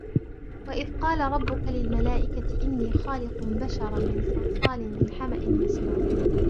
وإذ قال ربك للملائكة إني خالق بشرا من صلصال من حمإ مسنون